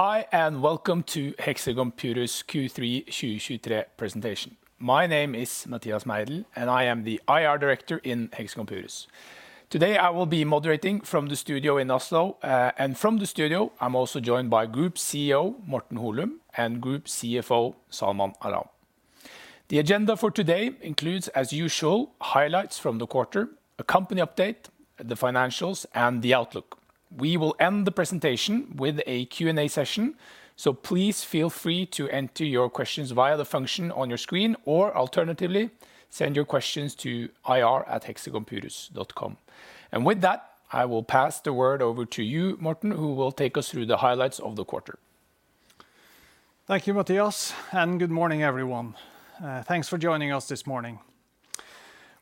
Hi, and welcome to Hexagon Purus Q3 2023 presentation. My name is Mathias Meidell, and I am the IR Director in Hexagon Purus. Today, I will be moderating from the studio in Oslo, and from the studio, I'm also joined by Group CEO Morten Holum and Group CFO Salman Alam. The agenda for today includes, as usual, highlights from the quarter, a company update, the financials, and the outlook. We will end the presentation with a Q&A session, so please feel free to enter your questions via the function on your screen, or alternatively, send your questions to ir@hexagonpurus.com. With that, I will pass the word over to you, Morten, who will take us through the highlights of the quarter. Thank you, Mathias, and good morning, everyone. Thanks for joining us this morning.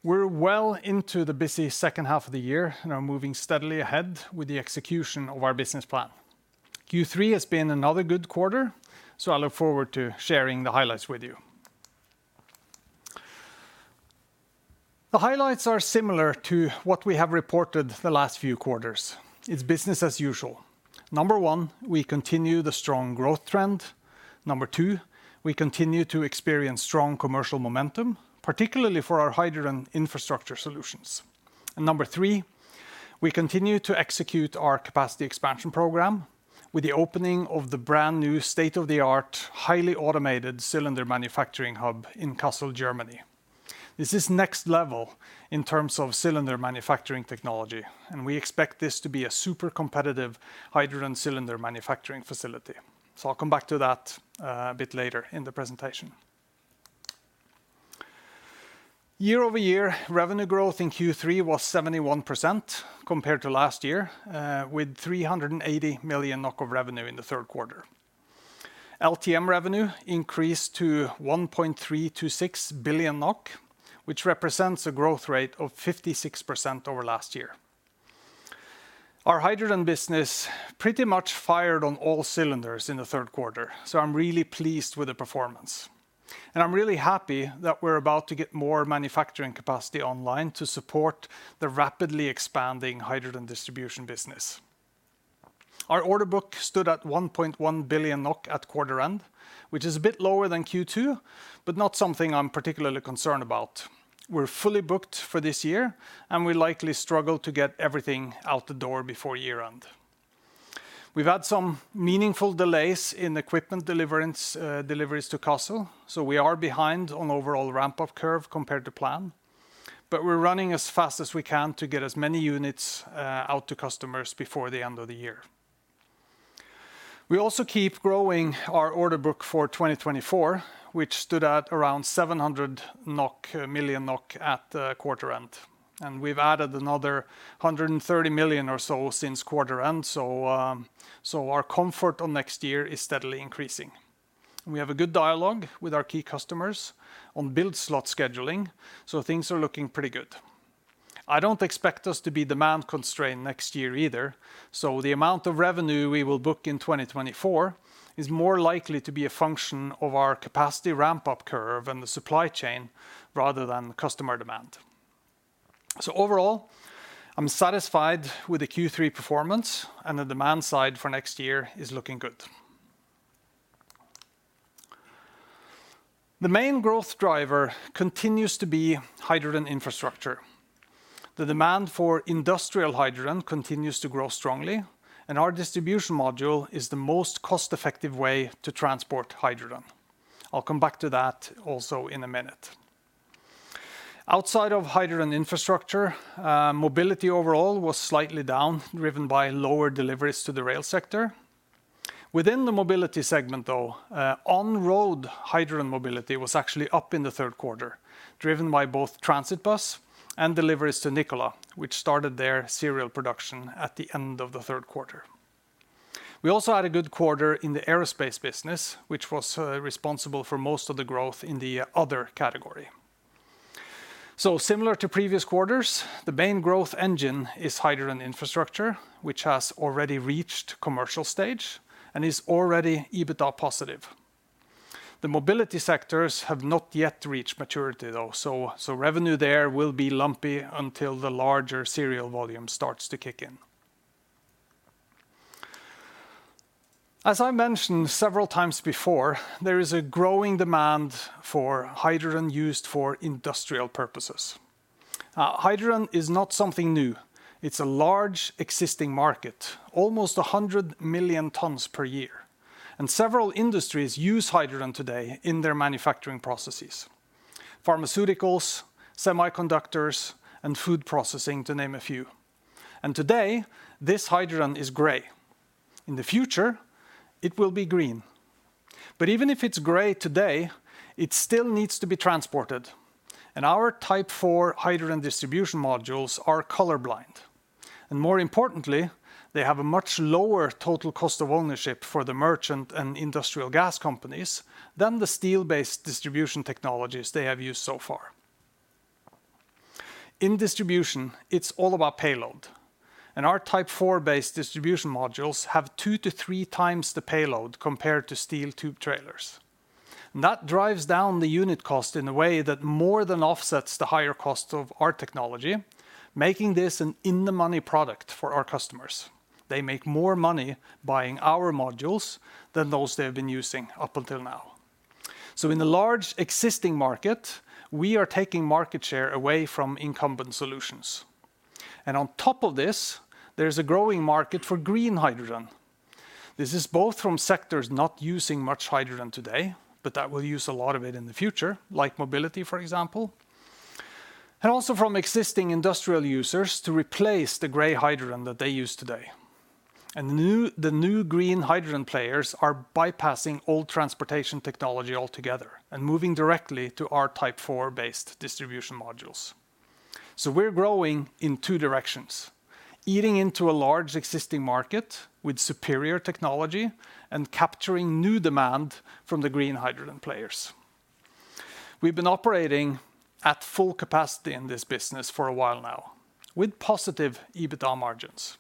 We're well into the busy second half of the year and are moving steadily ahead with the execution of our business plan. Q3 has been another good quarter, so I look forward to sharing the highlights with you. The highlights are similar to what we have reported the last few quarters. It's business as usual. Number one, we continue the strong growth trend. Number two, we continue to experience strong commercial momentum, particularly for our hydrogen infrastructure solutions. Number three, we continue to execute our capacity expansion program with the opening of the brand-new, state-of-the-art, highly automated cylinder manufacturing hub in Kassel, Germany. This is next level in terms of cylinder manufacturing technology, and we expect this to be a super competitive hydrogen cylinder manufacturing facility. So I'll come back to that, a bit later in the presentation. Year-over-year revenue growth in Q3 was 71% compared to last year, with 380 million NOK of revenue in the third quarter. LTM revenue increased to 1.326 billion NOK, which represents a growth rate of 56% over last year. Our hydrogen business pretty much fired on all cylinders in the third quarter, so I'm really pleased with the performance. And I'm really happy that we're about to get more manufacturing capacity online to support the rapidly expanding hydrogen distribution business. Our order book stood at 1.1 billion NOK at quarter end, which is a bit lower than Q2, but not something I'm particularly concerned about. We're fully booked for this year, and we likely struggle to get everything out the door before year-end. We've had some meaningful delays in equipment deliverance, deliveries to Kassel, so we are behind on overall ramp-up curve compared to plan, but we're running as fast as we can to get as many units out to customers before the end of the year. We also keep growing our order book for 2024, which stood at around 700 million NOK at the quarter end, and we've added another 130 million or so since quarter end, so our comfort on next year is steadily increasing. We have a good dialogue with our key customers on build slot scheduling, so things are looking pretty good. I don't expect us to be demand-constrained next year either, so the amount of revenue we will book in 2024 is more likely to be a function of our capacity ramp-up curve and the supply chain rather than customer demand. So overall, I'm satisfied with the Q3 performance, and the demand side for next year is looking good. The main growth driver continues to be hydrogen infrastructure. The demand for industrial hydrogen continues to grow strongly, and our distribution module is the most cost-effective way to transport hydrogen. I'll come back to that also in a minute. Outside of hydrogen infrastructure, mobility overall was slightly down, driven by lower deliveries to the rail sector. Within the mobility segment, though, on-road hydrogen mobility was actually up in the third quarter, driven by both transit bus and deliveries to Nikola, which started their serial production at the end of the third quarter. We also had a good quarter in the aerospace business, which was, responsible for most of the growth in the other category. So similar to previous quarters, the main growth engine is hydrogen infrastructure, which has already reached commercial stage and is already EBITDA positive. The mobility sectors have not yet reached maturity, though, so revenue there will be lumpy until the larger serial volume starts to kick in. As I mentioned several times before, there is a growing demand for hydrogen used for industrial purposes. Hydrogen is not something new. It's a large existing market, almost 100 million tons per year, and several industries use hydrogen today in their manufacturing processes: pharmaceuticals, semiconductors, and food processing, to name a few. Today, this hydrogen is Gray. In the future, it will be Green. But even if it's Gray today, it still needs to be transported. Our Type IV hydrogen distribution modules are color blind, and more importantly, they have a much lower total cost of ownership for the merchant and industrial gas companies than the steel-based distribution technologies they have used so far. In distribution, it's all about payload, and our Type IV-based distribution modules have two-three times the payload compared to steel tube trailers. That drives down the unit cost in a way that more than offsets the higher cost of our technology, making this an in-the-money product for our customers. They make more money buying our modules than those they have been using up until now. So in the large existing market, we are taking market share away from incumbent solutions, and on top of this, there's a growing market for Green Hydrogen. This is both from sectors not using much hydrogen today, but that will use a lot of it in the future, like mobility, for example, and also from existing industrial users to replace the Gray Hydrogen that they use today. And the new Green Hydrogen players are bypassing old transportation technology altogether and moving directly to our Type IV-based distribution modules. So we're growing in two directions, eating into a large existing market with superior technology and capturing new demand from the Green Hydrogen players. We've been operating at full capacity in this business for a while now, with positive EBITDA margins.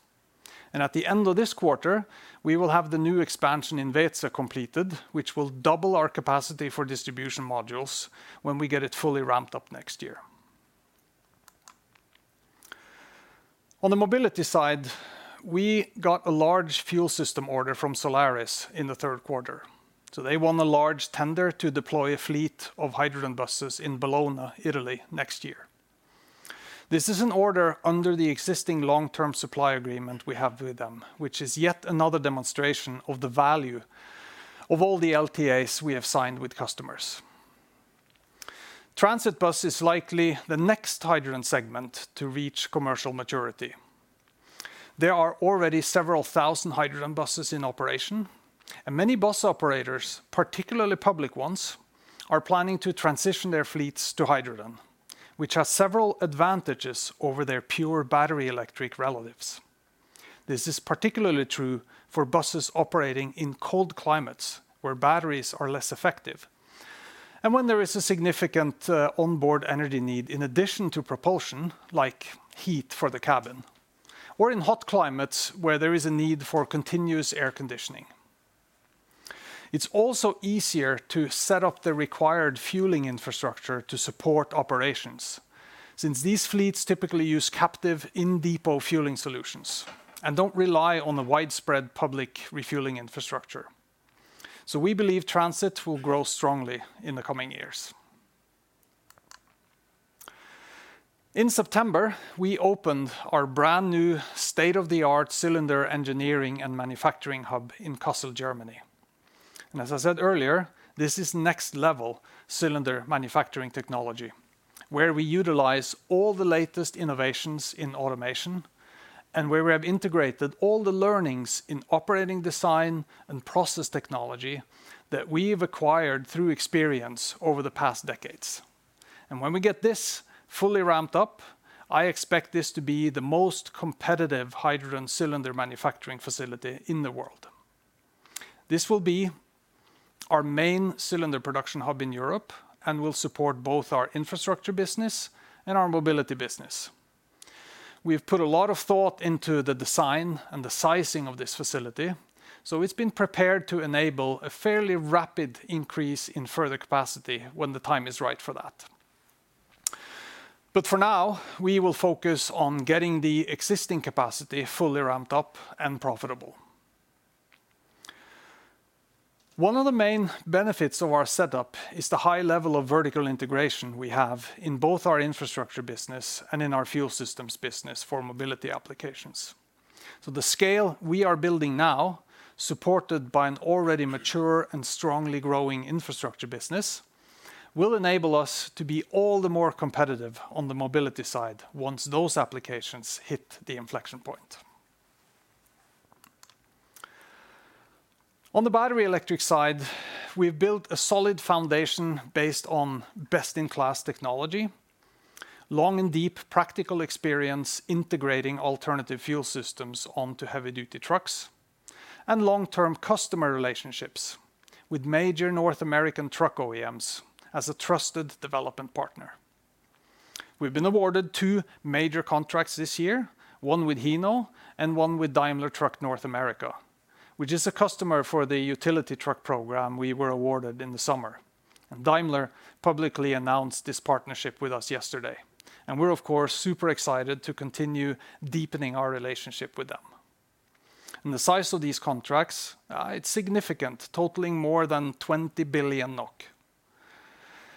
At the end of this quarter, we will have the new expansion in Weeze completed, which will double our capacity for distribution modules when we get it fully ramped up next year. On the mobility side, we got a large fuel system order from Solaris in the third quarter. So they won a large tender to deploy a fleet of hydrogen buses in Bologna, Italy, next year. This is an order under the existing long-term supply agreement we have with them, which is yet another demonstration of the value of all the LTAs we have signed with customers. Transit bus is likely the next hydrogen segment to reach commercial maturity. There are already several thousand hydrogen buses in operation, and many bus operators, particularly public ones, are planning to transition their fleets to hydrogen, which has several advantages over their pure battery electric relatives. This is particularly true for buses operating in cold climates, where batteries are less effective, and when there is a significant onboard energy need in addition to propulsion, like heat for the cabin, or in hot climates, where there is a need for continuous air conditioning. It's also easier to set up the required fueling infrastructure to support operations, since these fleets typically use captive in-depot fueling solutions and don't rely on the widespread public refueling infrastructure. So we believe transit will grow strongly in the coming years. In September, we opened our brand-new, state-of-the-art cylinder engineering and manufacturing hub in Kassel, Germany. And as I said earlier, this is next-level cylinder manufacturing technology, where we utilize all the latest innovations in automation and where we have integrated all the learnings in operating design and process technology that we've acquired through experience over the past decades. When we get this fully ramped up, I expect this to be the most competitive hydrogen cylinder manufacturing facility in the world. This will be our main cylinder production hub in Europe and will support both our infrastructure business and our mobility business. We've put a lot of thought into the design and the sizing of this facility, so it's been prepared to enable a fairly rapid increase in further capacity when the time is right for that. But for now, we will focus on getting the existing capacity fully ramped up and profitable. One of the main benefits of our setup is the high level of vertical integration we have in both our infrastructure business and in our fuel systems business for mobility applications. So the scale we are building now, supported by an already mature and strongly growing infrastructure business, will enable us to be all the more competitive on the mobility side once those applications hit the inflection point. On the battery electric side, we've built a solid foundation based on best-in-class technology, long and deep practical experience integrating alternative fuel systems onto heavy-duty trucks, and long-term customer relationships with major North American truck OEMs as a trusted development partner. We've been awarded two major contracts this year, one with Hino and one with Daimler Truck North America, which is a customer for the utility truck program we were awarded in the summer. And Daimler publicly announced this partnership with us yesterday, and we're, of course, super excited to continue deepening our relationship with them. And the size of these contracts, it's significant, totaling more than 20 billion NOK.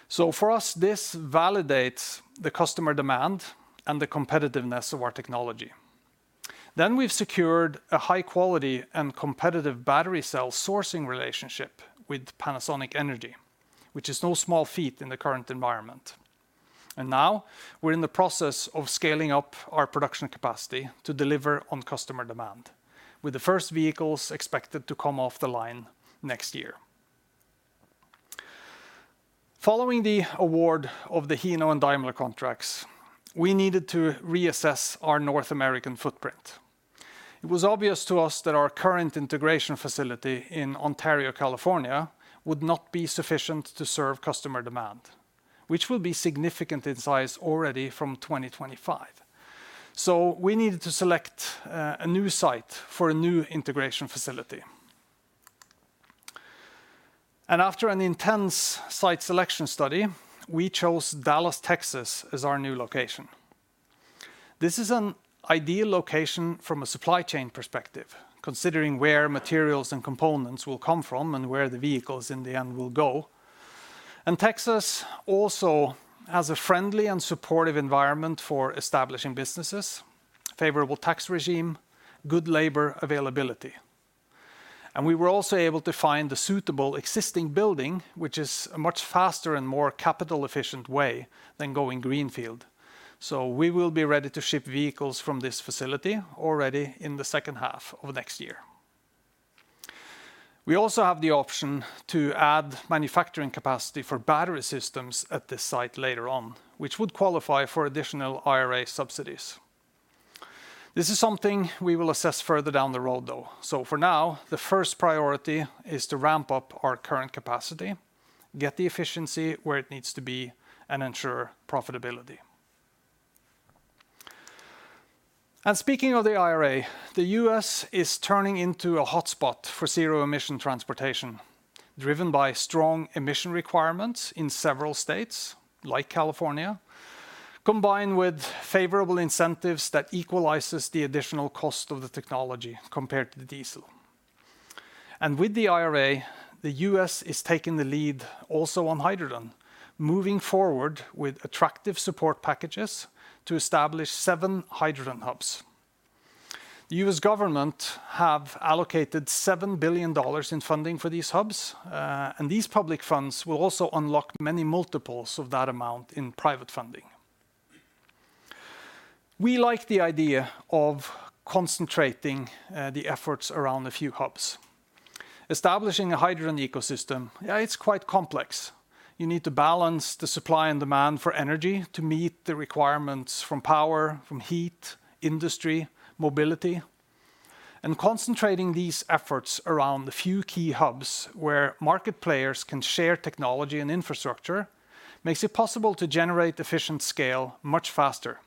So for us, this validates the customer demand and the competitiveness of our technology. Then we've secured a high quality and competitive battery cell sourcing relationship with Panasonic Energy, which is no small feat in the current environment. And now we're in the process of scaling up our production capacity to deliver on customer demand, with the first vehicles expected to come off the line next year. Following the award of the Hino and Daimler contracts, we needed to reassess our North American footprint. It was obvious to us that our current integration facility in Ontario, California, would not be sufficient to serve customer demand, which will be significant in size already from 2025. So we needed to select a new site for a new integration facility. And after an intense site selection study, we chose Dallas, Texas, as our new location. This is an ideal location from a supply chain perspective, considering where materials and components will come from and where the vehicles in the end will go. Texas also has a friendly and supportive environment for establishing businesses, favorable tax regime, good labor availability. We were also able to find a suitable existing building, which is a much faster and more capital-efficient way than going greenfield. We will be ready to ship vehicles from this facility already in the second half of next year. We also have the option to add manufacturing capacity for battery systems at this site later on, which would qualify for additional IRA subsidies. This is something we will assess further down the road, though. For now, the first priority is to ramp up our current capacity, get the efficiency where it needs to be, and ensure profitability. And speaking of the IRA, the U.S. is turning into a hotspot for zero-emission transportation, driven by strong emission requirements in several states, like California, combined with favorable incentives that equalizes the additional cost of the technology compared to the diesel. And with the IRA, the U.S. is taking the lead also on hydrogen, moving forward with attractive support packages to establish seven hydrogen hubs. The U.S. government have allocated $7 billion in funding for these hubs, and these public funds will also unlock many multiples of that amount in private funding. We like the idea of concentrating the efforts around a few hubs. Establishing a hydrogen ecosystem, yeah, it's quite complex. You need to balance the supply and demand for energy to meet the requirements from power, from heat, industry, mobility. Concentrating these efforts around the few key hubs, where market players can share technology and infrastructure, makes it possible to generate efficient scale much faster.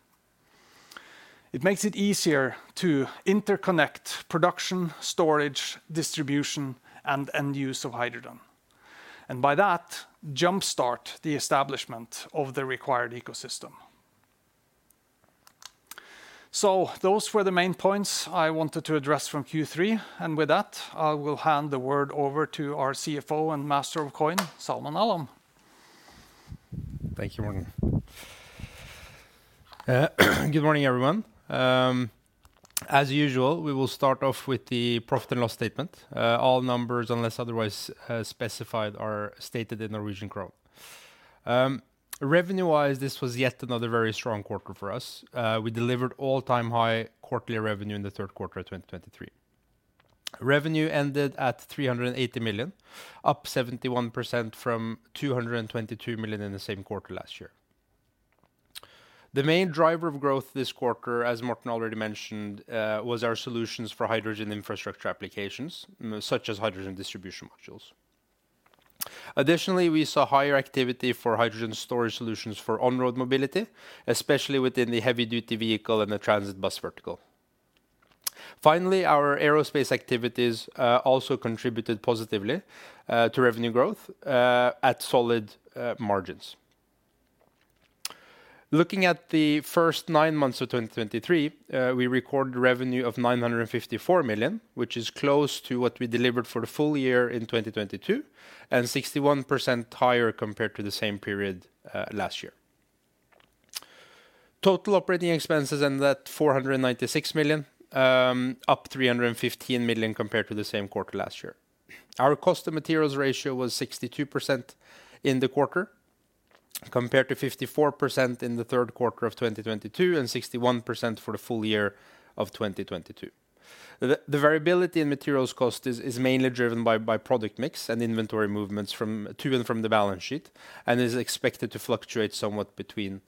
It makes it easier to interconnect production, storage, distribution, and end use of hydrogen, and by that, jump-start the establishment of the required ecosystem. So those were the main points I wanted to address from Q3, and with that, I will hand the word over to our CFO and Master of Coin, Salman Alam. Thank you, Morten. Good morning, everyone. As usual, we will start off with the profit and loss statement. All numbers, unless otherwise specified, are stated in Norwegian krone. Revenue-wise, this was yet another very strong quarter for us. We delivered all-time high quarterly revenue in the third quarter of 2023. Revenue ended at 380 million, up 71% from 222 million in the same quarter last year. The main driver of growth this quarter, as Morten already mentioned, was our solutions for hydrogen infrastructure applications, such as hydrogen distribution modules. Additionally, we saw higher activity for hydrogen storage solutions for on-road mobility, especially within the heavy-duty vehicle and the transit bus vertical. Finally, our aerospace activities also contributed positively to revenue growth at solid margins. Looking at the first nine months of 2023, we recorded revenue of 954 million, which is close to what we delivered for the full year in 2022, and 61% higher compared to the same period last year. Total operating expenses ended at 496 million, up 315 million compared to the same quarter last year. Our cost of materials ratio was 62% in the quarter, compared to 54% in the third quarter of 2022, and 61% for the full year of 2022. The variability in materials cost is mainly driven by product mix and inventory movements from, to and from the balance sheet, and is expected to fluctuate somewhat between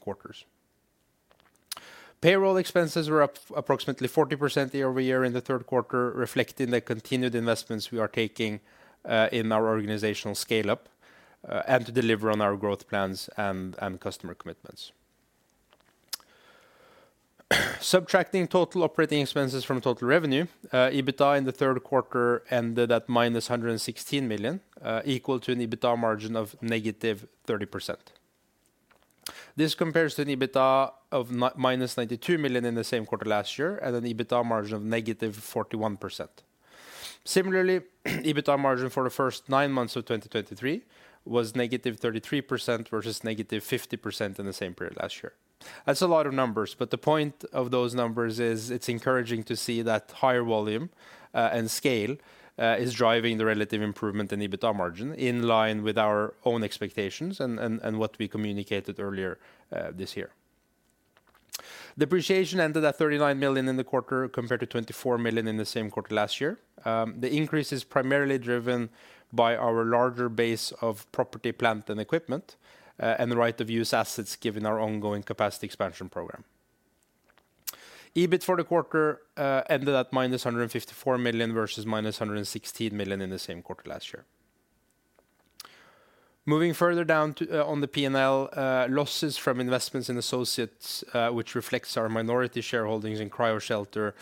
quarters. Payroll expenses were up approximately 40% year-over-year in the third quarter, reflecting the continued investments we are taking in our organizational scale-up, and to deliver on our growth plans and customer commitments. Subtracting total operating expenses from total revenue, EBITDA in the third quarter ended at -116 million, equal to an EBITDA margin of -30%. This compares to an EBITDA of minus 92 million in the same quarter last year, and an EBITDA margin of -41%. Similarly, EBITDA margin for the first nine months of 2023 was -33%, versus -50% in the same period last year. That's a lot of numbers, but the point of those numbers is it's encouraging to see that higher volume and scale is driving the relative improvement in EBITDA margin, in line with our own expectations and what we communicated earlier this year. Depreciation ended at 39 million in the quarter, compared to 24 million in the same quarter last year. The increase is primarily driven by our larger base of property, plant, and equipment and the right to use assets, given our ongoing capacity expansion program. EBIT for the quarter ended at -154 million, versus -116 million in the same quarter last year. Moving further down to, on the P&L, losses from investments in associates, which reflects our minority shareholdings in Cryoshelter,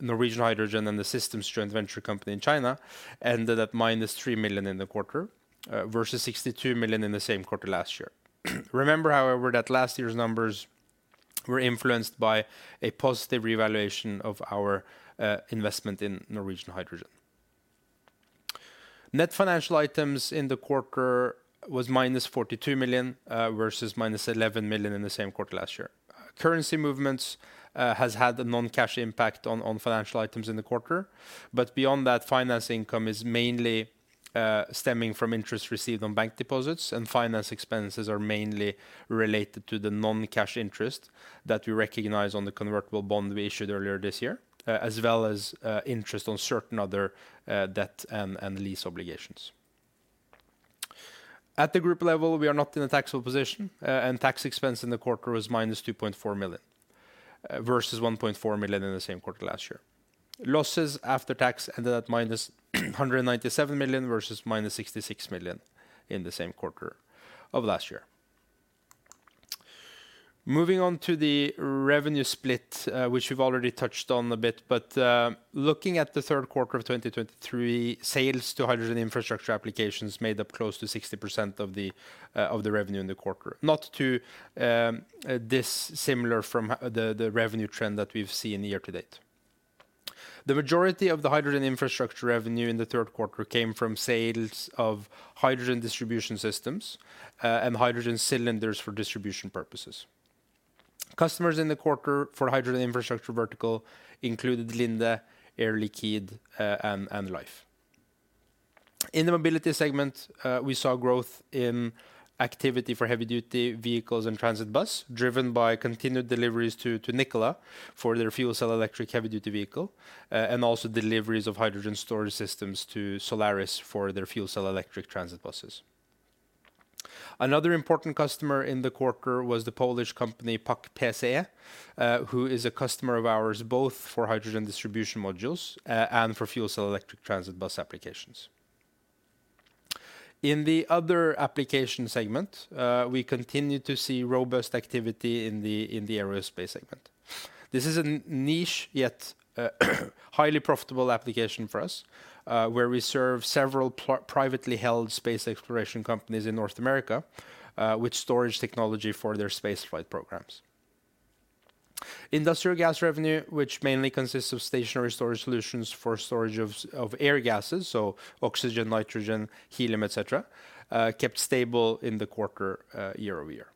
Norwegian Hydrogen, and the CIMC-Hexagon venture company in China, ended at -3 million in the quarter, versus 62 million in the same quarter last year. Remember, however, that last year's numbers were influenced by a positive revaluation of our, investment in Norwegian Hydrogen. Net financial items in the quarter was -42 million, versus -11 million in the same quarter last year. Currency movements has had a non-cash impact on, on financial items in the quarter, but beyond that, finance income is mainly stemming from interest received on bank deposits, and finance expenses are mainly related to the non-cash interest that we recognize on the convertible bond we issued earlier this year, as well as interest on certain other debt and lease obligations. At the group level, we are not in a taxable position, and tax expense in the quarter was -2.4 million versus 1.4 million in the same quarter last year. Losses after tax ended at -197 million versus -66 million in the same quarter of last year. Moving on to the revenue split, which we've already touched on a bit, but, looking at the third quarter of 2023, sales to hydrogen infrastructure applications made up close to 60% of the revenue in the quarter. Not too dissimilar from the revenue trend that we've seen year to date. The majority of the hydrogen infrastructure revenue in the third quarter came from sales of hydrogen distribution systems, and hydrogen cylinders for distribution purposes. Customers in the quarter for hydrogen infrastructure vertical included Linde, Air Liquide, and Lhyfe. In the mobility segment, we saw growth in activity for heavy-duty vehicles and transit bus, driven by continued deliveries to Nikola for their fuel cell electric heavy-duty vehicle, and also deliveries of hydrogen storage systems to Solaris for their fuel cell electric transit buses. Another important customer in the quarter was the Polish company, PAK PCE, who is a customer of ours, both for hydrogen distribution modules and for fuel cell electric transit bus applications. In the other application segment, we continue to see robust activity in the aerospace segment. This is a niche, yet highly profitable application for us, where we serve several privately held space exploration companies in North America with storage technology for their space flight programs. Industrial gas revenue, which mainly consists of stationary storage solutions for storage of air gases, so oxygen, nitrogen, helium, et cetera, kept stable in the quarter year-over-year.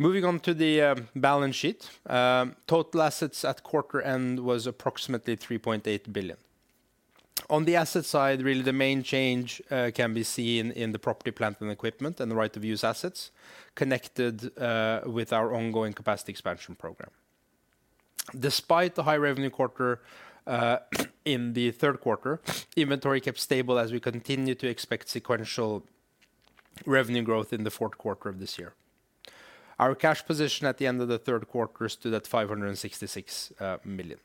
Moving on to the balance sheet. Total assets at quarter end was approximately 3.8 billion. On the asset side, really, the main change can be seen in the property, plant, and equipment, and the right-to-use assets connected with our ongoing capacity expansion program. Despite the high revenue quarter in the third quarter, inventory kept stable as we continue to expect sequential revenue growth in the fourth quarter of this year. Our cash position at the end of the third quarter stood at 566 million.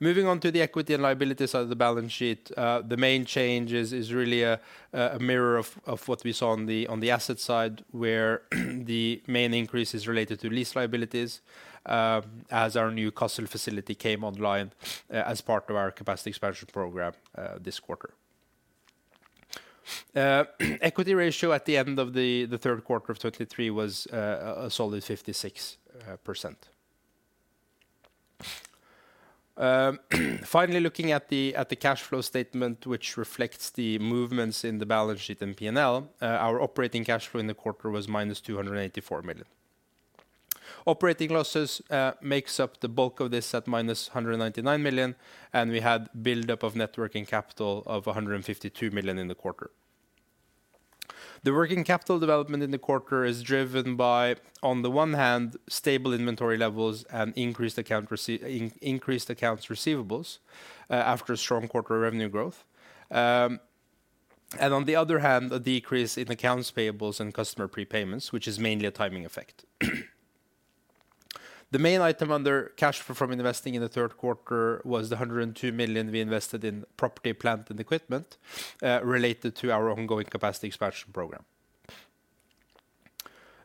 Moving on to the equity and liability side of the balance sheet, the main change is really a mirror of what we saw on the asset side, where the main increase is related to lease liabilities as our new Kassel facility came online as part of our capacity expansion program this quarter. Equity ratio at the end of the third quarter of 2023 was a solid 56%. Finally, looking at the cash flow statement, which reflects the movements in the balance sheet and P&L, our operating cash flow in the quarter was -284 million. Operating losses makes up the bulk of this at -199 million, and we had buildup of net working capital of 152 million in the quarter. The working capital development in the quarter is driven by, on the one hand, stable inventory levels and increased accounts receivables after a strong quarter revenue growth. And on the other hand, a decrease in accounts payables and customer prepayments, which is mainly a timing effect. The main item under cash from investing in the third quarter was the 102 million we invested in property, plant, and equipment, related to our ongoing capacity expansion program.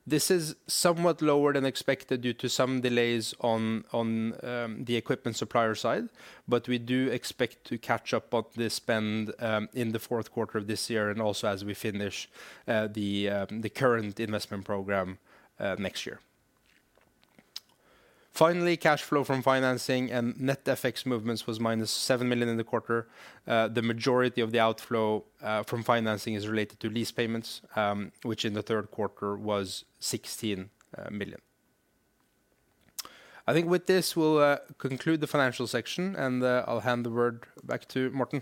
This is somewhat lower than expected due to some delays on the equipment supplier side, but we do expect to catch up on the spend, in the fourth quarter of this year and also as we finish the current investment program, next year. Finally, cash flow from financing and net effects movements was -7 million in the quarter. The majority of the outflow from financing is related to lease payments, which in the third quarter was 16 million. I think with this, we'll conclude the financial section, and I'll hand the word back to Morten.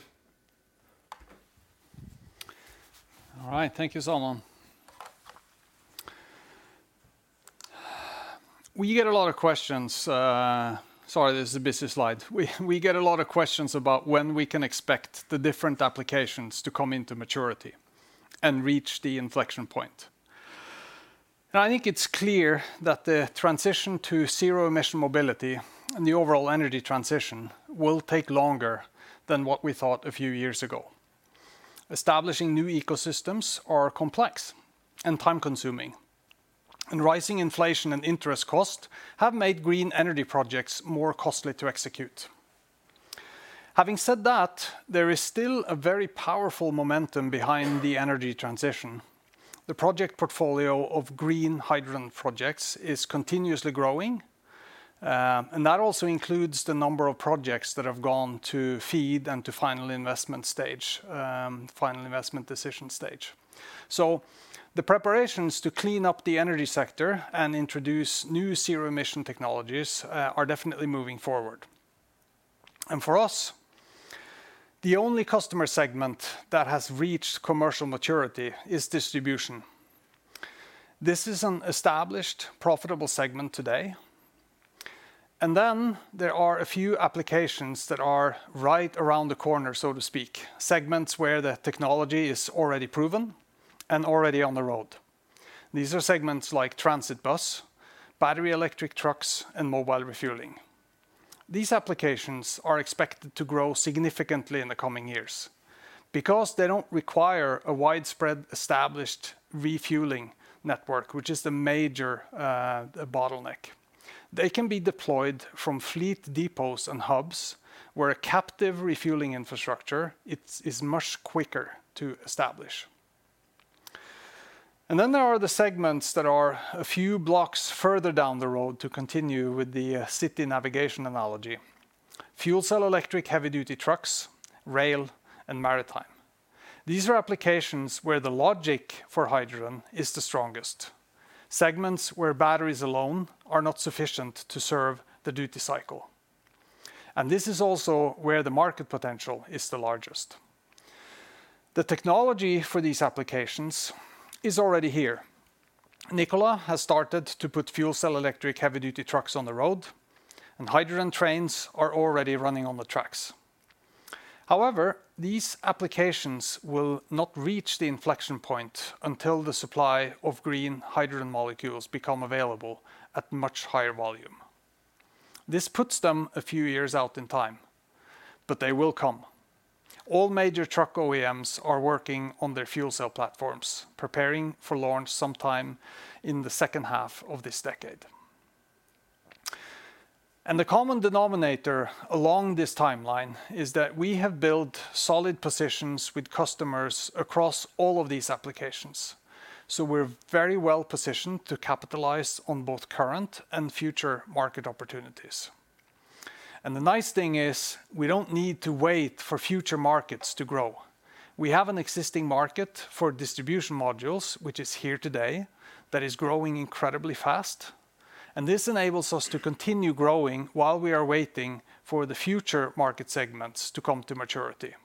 All right, thank you, Salman. We get a lot of questions. Sorry, this is a busy slide. We get a lot of questions about when we can expect the different applications to come into maturity and reach the inflection point. And I think it's clear that the transition to zero-emission mobility and the overall energy transition will take longer than what we thought a few years ago. Establishing new ecosystems are complex and time-consuming, and rising inflation and interest costs have made green energy projects more costly to execute. Having said that, there is still a very powerful momentum behind the energy transition. The project portfolio of green hydrogen projects is continuously growing, and that also includes the number of projects that have gone to FEED and to final investment stage, final investment decision stage. So the preparations to clean up the energy sector and introduce new zero-emission technologies are definitely moving forward. And for us, the only customer segment that has reached commercial maturity is distribution. This is an established, profitable segment today, and then there are a few applications that are right around the corner, so to speak, segments where the technology is already proven and already on the road. These are segments like transit bus, battery electric trucks, and mobile refueling. These applications are expected to grow significantly in the coming years because they don't require a widespread, established refueling network, which is the major bottleneck. They can be deployed from fleet depots and hubs, where a captive refueling infrastructure is much quicker to establish. And then there are the segments that are a few blocks further down the road to continue with the city navigation analogy: fuel cell electric heavy-duty trucks, rail, and maritime. These are applications where the logic for hydrogen is the strongest, segments where batteries alone are not sufficient to serve the duty cycle, and this is also where the market potential is the largest. The technology for these applications is already here. Nikola has started to put fuel cell electric heavy-duty trucks on the road, and hydrogen trains are already running on the tracks. However, these applications will not reach the inflection point until the supply of green hydrogen molecules become available at much higher volume. This puts them a few years out in time, but they will come. All major truck OEMs are working on their fuel cell platforms, preparing for launch sometime in the second half of this decade. And the common denominator along this timeline is that we have built solid positions with customers across all of these applications, so we're very well positioned to capitalize on both current and future market opportunities. And the nice thing is, we don't need to wait for future markets to grow. We have an existing market for distribution modules, which is here today, that is growing incredibly fast, and this enables us to continue growing while we are waiting for the future market segments to come to maturity.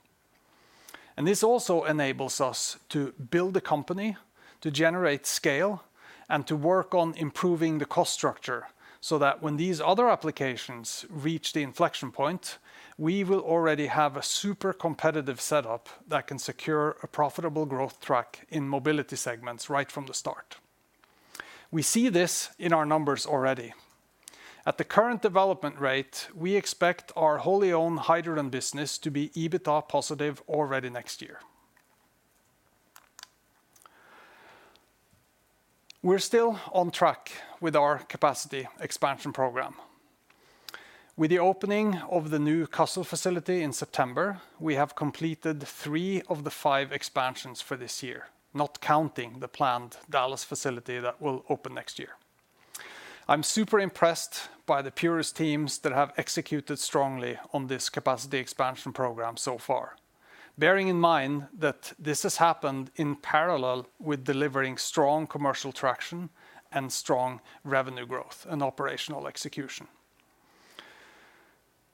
And this also enables us to build a company, to generate scale, and to work on improving the cost structure, so that when these other applications reach the inflection point, we will already have a super competitive setup that can secure a profitable growth track in mobility segments right from the start. We see this in our numbers already. At the current development rate, we expect our wholly owned hydrogen business to be EBITDA positive already next year. We're still on track with our capacity expansion program. With the opening of the new Kassel facility in September, we have completed three of the five expansions for this year, not counting the planned Dallas facility that will open next year. I'm super impressed by the Purus teams that have executed strongly on this capacity expansion program so far, bearing in mind that this has happened in parallel with delivering strong commercial traction and strong revenue growth and operational execution.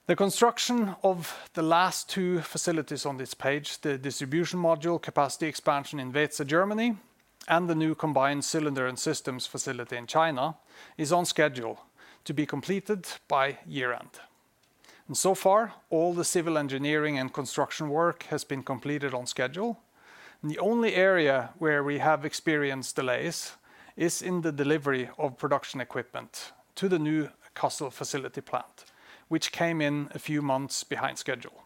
The construction of the last 2 facilities on this page, the distribution module capacity expansion in Weeze, Germany, and the new combined cylinder and systems facility in China, is on schedule to be completed by year-end. So far, all the civil engineering and construction work has been completed on schedule, and the only area where we have experienced delays is in the delivery of production equipment to the new Kassel facility plant, which came in a few months behind schedule,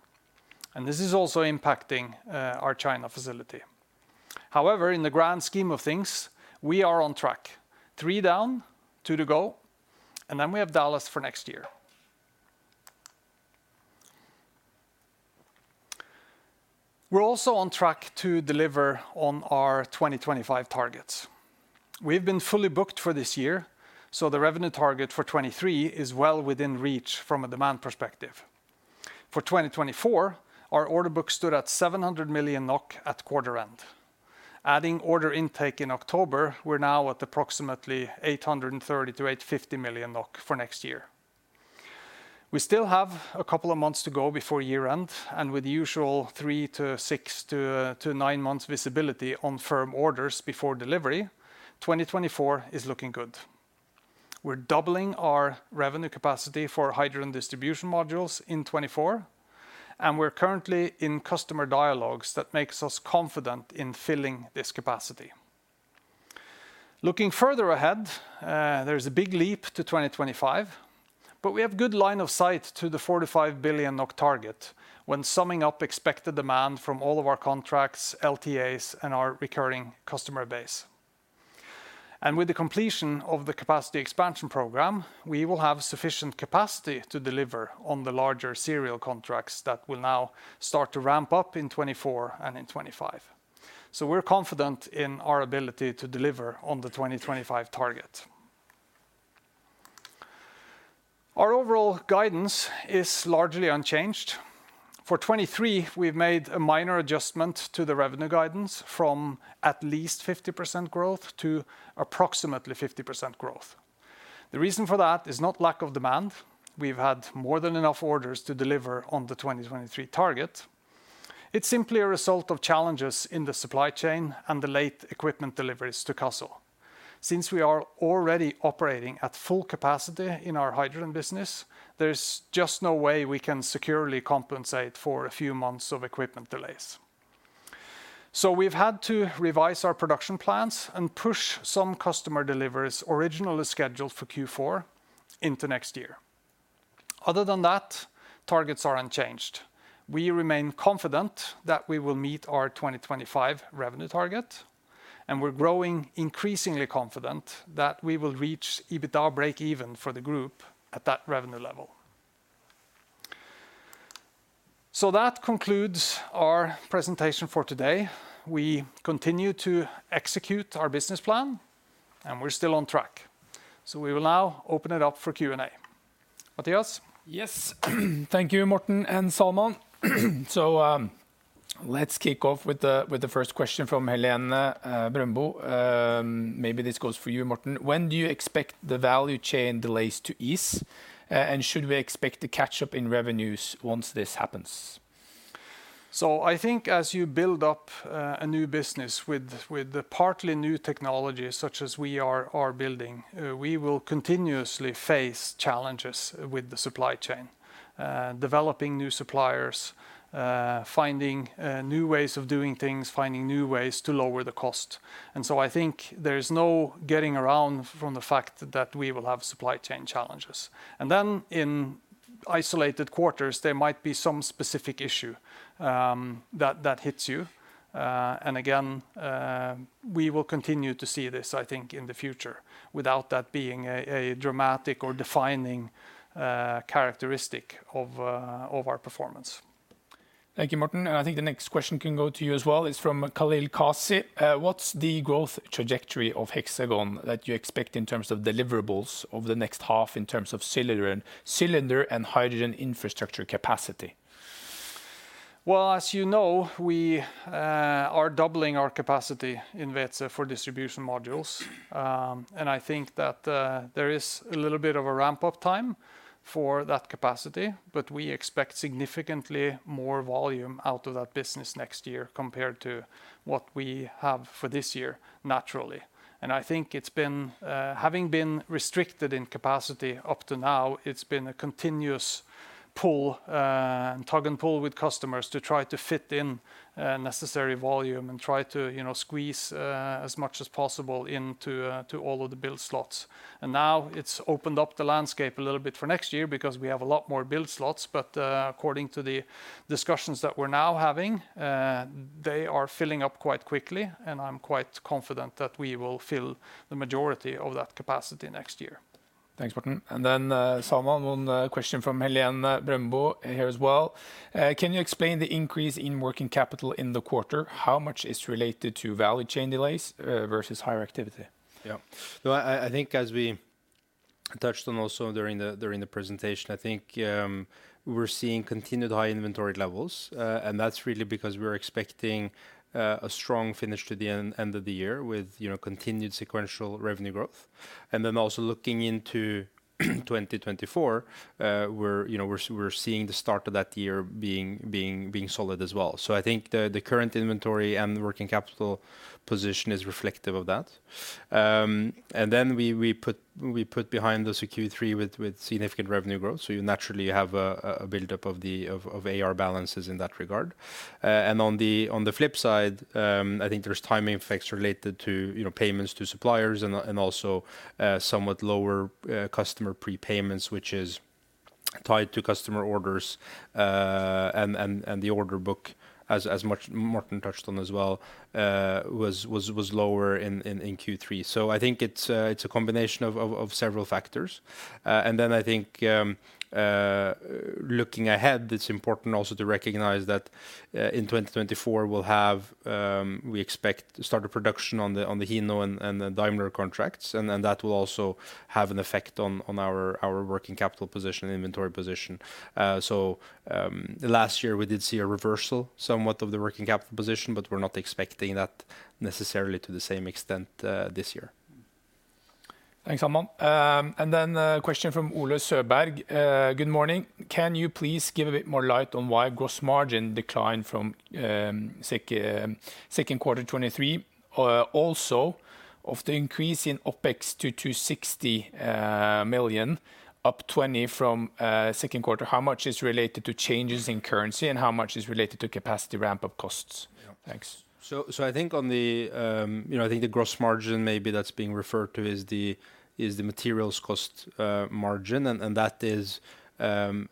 and this is also impacting our China facility. However, in the grand scheme of things, we are on track. Three down, two to go, and then we have Dallas for next year. We're also on track to deliver on our 2025 targets. We've been fully booked for this year, so the revenue target for 2023 is well within reach from a demand perspective. For 2024, our order book stood at 700 million NOK at quarter end. Adding order intake in October, we're now at approximately 830 million-850 million NOK for next year. We still have a couple of months to go before year-end, and with the usual three to six to nine-month visibility on firm orders before delivery, 2024 is looking good. We're doubling our revenue capacity for hydrogen distribution modules in 2024, and we're currently in customer dialogues that makes us confident in filling this capacity. Looking further ahead, there's a big leap to 2025, but we have good line of sight to the 4-5 billion NOK target when summing up expected demand from all of our contracts, LTAs, and our recurring customer base. With the completion of the capacity expansion program, we will have sufficient capacity to deliver on the larger serial contracts that will now start to ramp up in 2024 and in 2025. We're confident in our ability to deliver on the 2025 target. Our overall guidance is largely unchanged. For 2023, we've made a minor adjustment to the revenue guidance from at least 50% growth to approximately 50% growth. The reason for that is not lack of demand. We've had more than enough orders to deliver on the 2023 target. It's simply a result of challenges in the supply chain and the late equipment deliveries to Kassel. Since we are already operating at full capacity in our hydrogen business, there's just no way we can securely compensate for a few months of equipment delays. So we've had to revise our production plans and push some customer deliveries originally scheduled for Q4 into next year. Other than that, targets are unchanged. We remain confident that we will meet our 2025 revenue target, and we're growing increasingly confident that we will reach EBITDA breakeven for the group at that revenue level. So that concludes our presentation for today. We continue to execute our business plan, and we're still on track. So we will now open it up for Q&A. Mathias? Yes. Thank you, Morten and Salman. So, let's kick off with the first question from Helene Brøndbo. Maybe this goes for you, Morten. When do you expect the value chain delays to ease, and should we expect to catch up in revenues once this happens? So I think as you build up a new business with the partly new technologies such as we are building, we will continuously face challenges with the supply chain. Developing new suppliers, finding new ways of doing things, finding new ways to lower the cost. And so I think there is no getting around from the fact that we will have supply chain challenges. And then in isolated quarters, there might be some specific issue that hits you. And again, we will continue to see this, I think, in the future, without that being a dramatic or defining characteristic of our performance. Thank you, Morten. And I think the next question can go to you as well. It's from Khalil Kazi. What's the growth trajectory of Hexagon that you expect in terms of deliverables over the next half, in terms of cylinder and hydrogen infrastructure capacity? Well, as you know, we are doubling our capacity in Weeze for distribution modules. And I think that there is a little bit of a ramp-up time for that capacity, but we expect significantly more volume out of that business next year, compared to what we have for this year, naturally. And I think, having been restricted in capacity up to now, it's been a continuous pull, tug and pull with customers to try to fit in necessary volume and try to, you know, squeeze as much as possible into all of the build slots. And now it's opened up the landscape a little bit for next year because we have a lot more build slots. According to the discussions that we're now having, they are filling up quite quickly, and I'm quite confident that we will fill the majority of that capacity next year. Thanks, Morten. And then, Salman, one question from Helene Brøndbo here as well. Can you explain the increase in working capital in the quarter? How much is related to value chain delays, versus higher activity? Yeah. No, I think as we touched on also during the presentation, I think, we're seeing continued high inventory levels, and that's really because we're expecting a strong finish to the end of the year with, you know, continued sequential revenue growth. And then also looking into 2024, we're, you know, we're seeing the start of that year being solid as well. So I think the current inventory and the working capital position is reflective of that. And then we put behind us a Q3 with significant revenue growth, so you naturally have a buildup of the AR balances in that regard. And on the flip side, I think there's timing effects related to, you know, payments to suppliers and also somewhat lower customer prepayments, which is tied to customer orders. And the order book, as Morten touched on as well, was lower in Q3. So I think it's a combination of several factors. And then I think, looking ahead, it's important also to recognize that, in 2024, we'll have, we expect to start a production on the Hino and the Daimler contracts, and then that will also have an effect on our working capital position, inventory position. Last year, we did see a reversal, somewhat of the working capital position, but we're not expecting that necessarily to the same extent, this year. Thanks, Salman. And then a question from Ole Søeberg. Good morning. Can you please give a bit more light on why gross margin declined from second quarter 2023? Also of the increase in OpEx to 60 million, up 20 million from second quarter, how much is related to changes in currency and how much is related to capacity ramp-up costs? Yeah, thanks. So, I think on the, you know, I think the gross margin maybe that's being referred to is the materials cost margin, and that is, and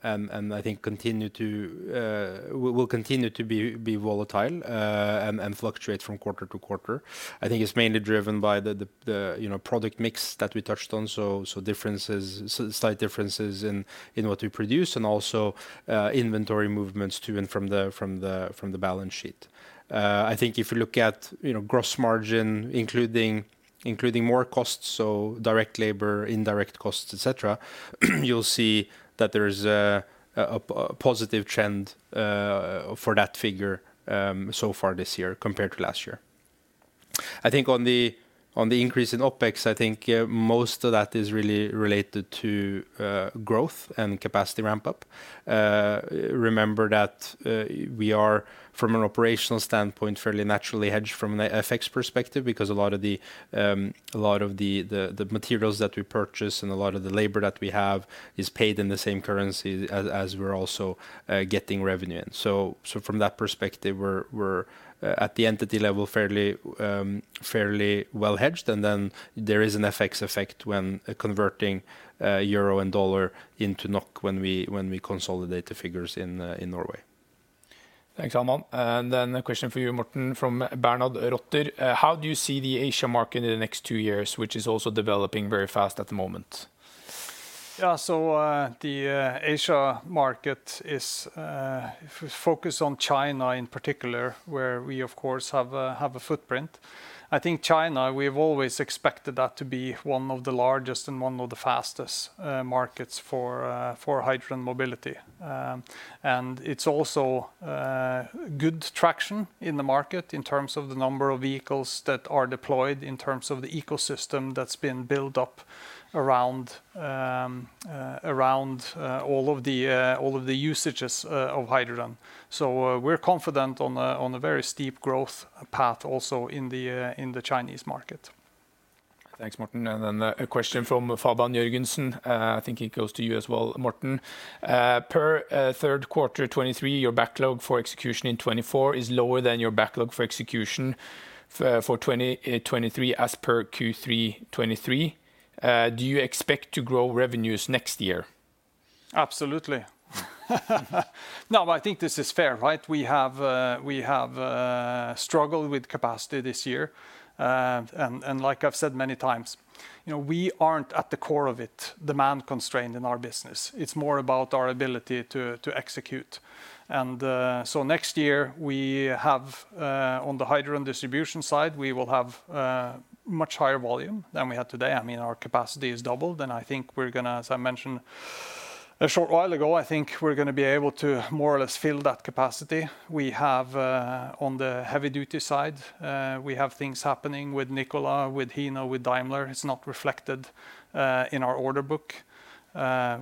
I think will continue to be volatile, and fluctuate from quarter to quarter. I think it's mainly driven by the, you know, product mix that we touched on, so differences, slight differences in what we produce and also, inventory movements to and from the balance sheet. I think if you look at, you know, gross margin, including more costs, so direct labor, indirect costs, et cetera, you'll see that there is a positive trend for that figure, so far this year compared to last year. I think on the increase in OpEx, I think most of that is really related to growth and capacity ramp-up. Remember that we are, from an operational standpoint, fairly naturally hedged from an FX perspective, because a lot of the materials that we purchase and a lot of the labor that we have is paid in the same currency as we're also getting revenue in. So from that perspective, we're at the entity level, fairly well hedged, and then there is an FX effect when converting euro and dollar into NOK when we consolidate the figures in Norway. Thanks, Salman. Then a question for you, Morten, from Bernhard Rotter. "How do you see the Asia market in the next two years, which is also developing very fast at the moment? Yeah, so, the Asia market is, if we focus on China in particular, where we, of course, have a footprint, I think China, we've always expected that to be one of the largest and one of the fastest markets for hydrogen mobility. And it's also good traction in the market in terms of the number of vehicles that are deployed, in terms of the ecosystem that's been built up around all of the usages of hydrogen. So, we're confident on a very steep growth path also in the Chinese market. Thanks, Morten. And then a question from Fabian Jørgensen. I think it goes to you as well, Morten. "Per third quarter 2023, your backlog for execution in 2024 is lower than your backlog for execution for 2023, as per Q3 2023. Do you expect to grow revenues next year? Absolutely. No, I think this is fair, right? We have struggled with capacity this year. Like I've said many times, you know, we aren't at the core of it, demand constrained in our business. It's more about our ability to execute. Next year, we have on the hydrogen distribution side, we will have much higher volume than we have today. I mean, our capacity is doubled, and I think we're gonna, as I mentioned a short while ago, I think we're gonna be able to more or less fill that capacity. We have on the heavy duty side, we have things happening with Nikola, with Hino, with Daimler. It's not reflected in our order book.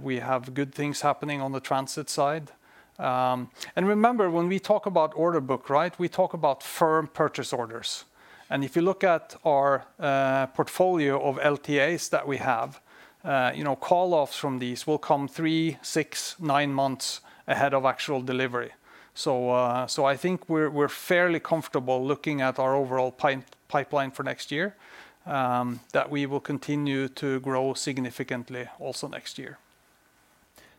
We have good things happening on the transit side. Remember, when we talk about order book, right, we talk about firm purchase orders. If you look at our portfolio of LTAs that we have, you know, call offs from these will come three, six, nine months ahead of actual delivery. So I think we're, we're fairly comfortable looking at our overall pipeline for next year that we will continue to grow significantly also next year.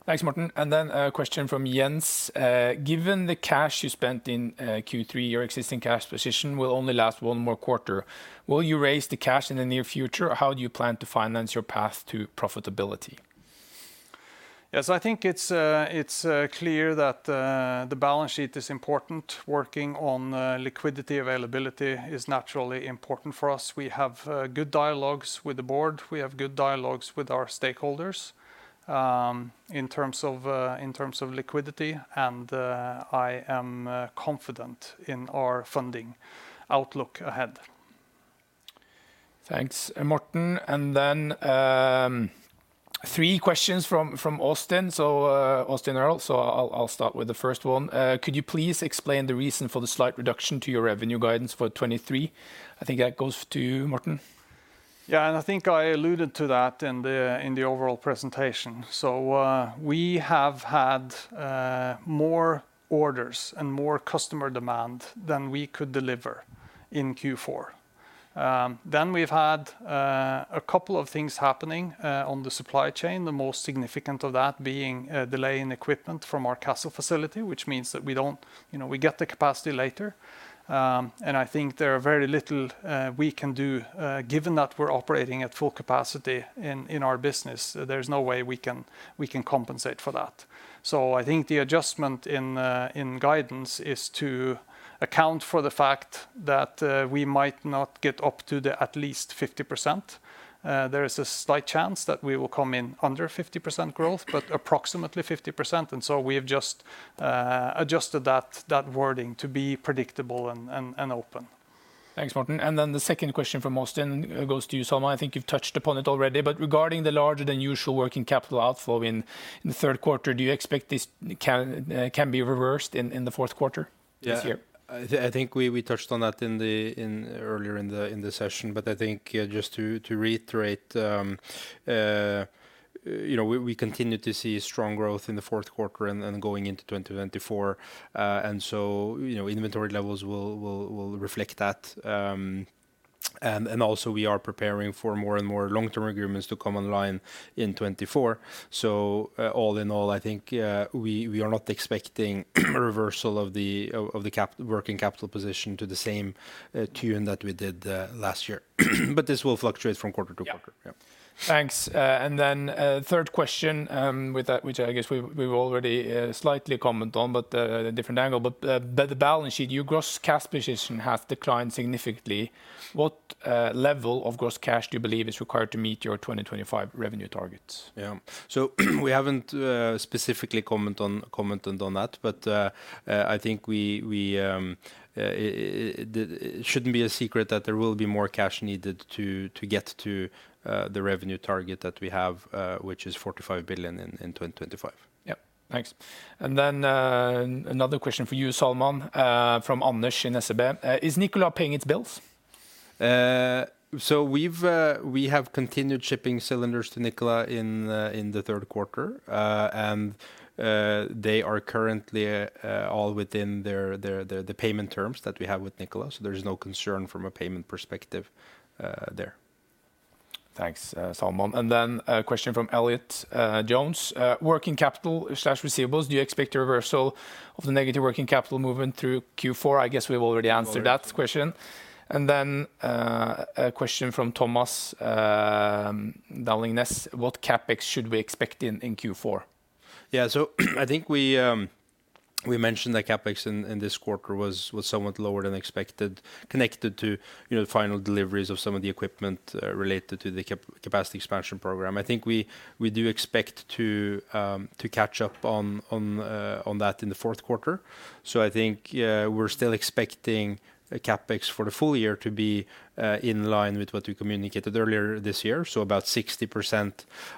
Thanks, Morten. And then a question from Jens: "Given the cash you spent in Q3, your existing cash position will only last one more quarter. Will you raise the cash in the near future, or how do you plan to finance your path to profitability? Yes, I think it's clear that the balance sheet is important. Working on liquidity availability is naturally important for us. We have good dialogues with the board. We have good dialogues with our stakeholders in terms of liquidity, and I am confident in our funding outlook ahead. Thanks, Morten. And then, three questions from Austin, so, Austin Moeller, so I'll start with the first one. "Could you please explain the reason for the slight reduction to your revenue guidance for 2023?" I think that goes to you, Morten. Yeah, and I think I alluded to that in the overall presentation. So, we have had more orders and more customer demand than we could deliver in Q4. Then we've had a couple of things happening on the supply chain, the most significant of that being a delay in equipment from our Kassel facility, which means that we don't... You know, we get the capacity later. And I think there are very little we can do given that we're operating at full capacity in our business. There's no way we can compensate for that. So I think the adjustment in guidance is to account for the fact that we might not get up to at least 50%. There is a slight chance that we will come in under 50% growth, but approximately 50%, and so we have just adjusted that wording to be predictable and open. Thanks, Morten. And then the second question from Austin goes to you, Salman. I think you've touched upon it already, but regarding the larger than usual working capital outflow in the third quarter, do you expect this can be reversed in the fourth quarter this year? Yeah, I think we touched on that earlier in the session. But I think just to reiterate, you know, we continue to see strong growth in the fourth quarter and going into 2024. And so, you know, inventory levels will reflect that. And also we are preparing for more and more long-term agreements to come online in 2024. So, all in all, I think, we are not expecting a reversal of the working capital position to the same tune that we did last year. But this will fluctuate from quarter-to-quarter. Yeah. Yeah. Thanks. And then, third question, with that, which I guess we've already slightly commented on, but a different angle. But the balance sheet, your gross cash position has declined significantly. What level of gross cash do you believe is required to meet your 2025 revenue targets? Yeah. So we haven't specifically commented on that, but I think it shouldn't be a secret that there will be more cash needed to get to the revenue target that we have, which is 4-5 billion in 2025. Yep. Thanks. And then, another question for you, Salman, from Anders in SEB. Is Nikola paying its bills? So we've continued shipping cylinders to Nikola in the third quarter. And they are currently all within their payment terms that we have with Nikola. So there is no concern from a payment perspective there. Thanks, Salman. And then a question from Elliot Jones. Working capital slash receivables, do you expect a reversal of the negative working capital movement through Q4? I guess we've already answered that question. Oh, yeah. A question from Thomas Downling Næss. What CapEx should we expect in Q4? Yeah. So I think we mentioned that CapEx in this quarter was somewhat lower than expected, connected to, you know, the final deliveries of some of the equipment related to the capacity expansion program. I think we do expect to catch up on that in the fourth quarter. So I think we're still expecting the CapEx for the full year to be in line with what we communicated earlier this year. So about 60%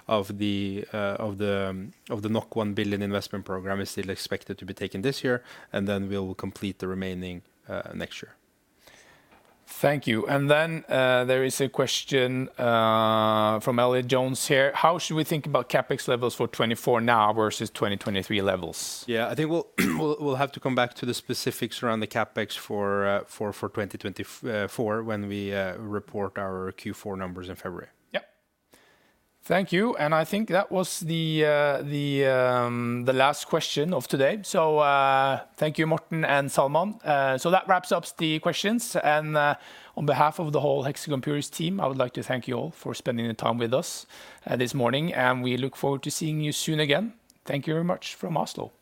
of the 1 billion investment program is still expected to be taken this year, and then we'll complete the remaining next year. Thank you. And then, there is a question from Elliot Jones here: How should we think about CapEx levels for 2024 now versus 2023 levels? Yeah, I think we'll have to come back to the specifics around the CapEx for 2024, when we report our Q4 numbers in February. Yep. Thank you, and I think that was the last question of today. So, thank you, Morten and Salman. So that wraps up the questions. And, on behalf of the whole Hexagon Purus team, I would like to thank you all for spending the time with us, this morning, and we look forward to seeing you soon again. Thank you very much from Oslo.